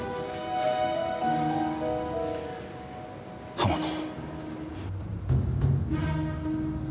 浜野。